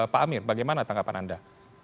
pak amir bagaimana tanggapan anda